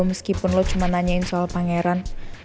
meskipun lo cuma nanyain soal pangeran